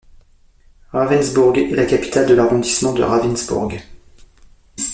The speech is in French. Ravensbourg est la capitale de l'arrondissement de Ravensbourg.